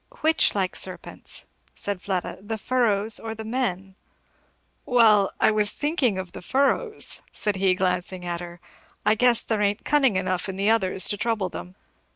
"Which like serpents," said Fleda, "the furrows or the men?" "Well, I was thinking of the furrows," said he glancing at her; "I guess there ain't cunning enough in the others to trouble them.